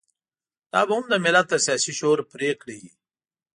دا به هم د ملت د سياسي شعور پرېکړه وي.